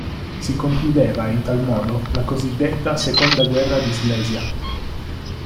Si concludeva, in tal modo, la cosiddetta "seconda guerra di Slesia".